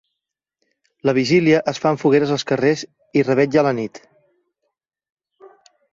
La vigília es fan fogueres als carrers i revetlla a la nit.